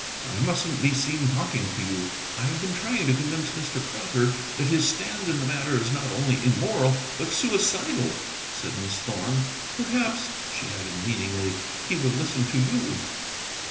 I mustn't be seen talking to you." "I have been trying to convince Mr. Crocker that his stand in the matter is not only immoral, but suicidal," said Miss Thorn. "Perhaps," she added meaningly, "he will listen to you."